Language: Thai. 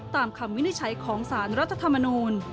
คำวินิจฉัยของสารรัฐธรรมนูล